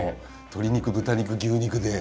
鶏肉豚肉牛肉で。